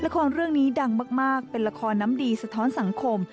เป็นละครน้ำดีสะท้อนสังคม